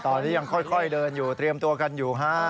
ตอนนี้ยังค่อยเดินอยู่เตรียมตัวกันอยู่ฮะ